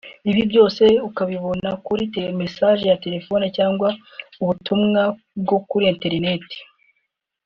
ibi byose ukabibona kuri message ya telephone cyangwa ubutumwa bwo kuri internet